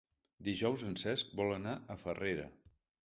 Dijous en Cesc vol anar a Farrera.